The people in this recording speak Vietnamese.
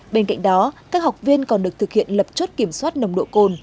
bên cạnh đó các học viên còn được thực hiện lập chốt kiểm soát nồng độ cồn